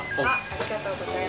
ありがとうございます。